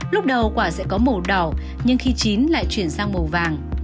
lúc đầu quả sẽ có màu đỏ nhưng khi chín lại chuyển sang màu vàng